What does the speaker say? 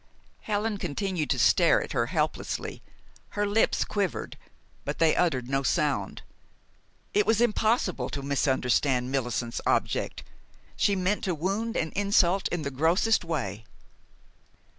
Helen continued to stare at her helplessly. Her lips quivered; but they uttered no sound. It was impossible to misunderstand Millicent's object. She meant to wound and insult in the grossest way.